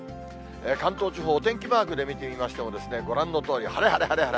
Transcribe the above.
関東地方、お天気マークで見てみましても、ご覧のとおり、晴れ、晴れ、晴れ。